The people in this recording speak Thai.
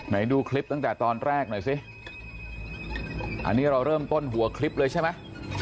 ดูคลิปตั้งแต่ตอนแรกหน่อยสิอันนี้เราเริ่มต้นหัวคลิปเลยใช่ไหม